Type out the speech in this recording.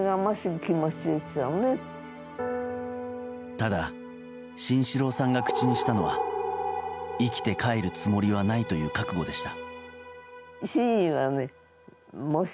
ただ、慎四郎さんが口にしたのは生きて帰るつもりはないという覚悟でした。